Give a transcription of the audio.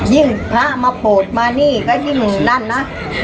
ยิ่งพระมาโปรดมานี่ก็ยิ่งนั่นนะ